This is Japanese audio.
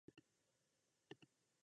北海道留夜別村